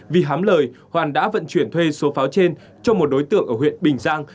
vì hám lời hoàn đã vận chuyển thuê số pháo trên cho một đối tượng ở huyện bình giang